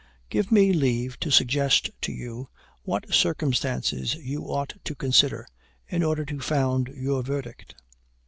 Give me leave to suggest to you what circumstances you ought to consider, in order to found your verdict.